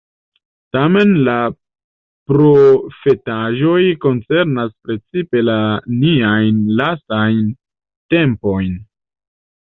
Tamen la profetaĵoj koncernas precipe la niajn lastajn tempojn.